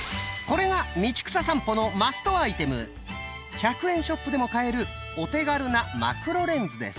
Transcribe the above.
１００円ショップでも買えるお手軽なマクロレンズです。